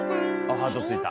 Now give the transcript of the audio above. ハートついた。